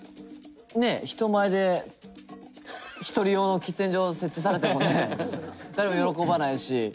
ねえ人前で一人用の喫煙所を設置されてもね誰も喜ばないし。